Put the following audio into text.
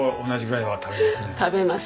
食べます。